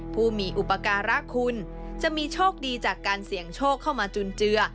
ผู้มีอุปการะคุณจะมีโชคดีจากการเสี่ยงโชคเข้ามาจุนเจือ